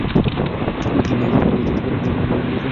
বিকেলে hostel super Nurul Kabir নাবিলকে নিয়ে মাঠের কোনায় গিয়ে বসলেন।